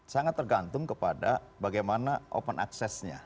sangat tergantung kepada bagaimana open access nya